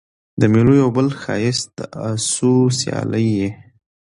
د مېلو یو بل ښایست د آسو سیالي يي.